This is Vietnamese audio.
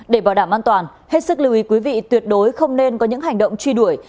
để bảo đảm an toàn hết sức lưu ý quý vị tuyệt đối không nên có những hành động truy đuổi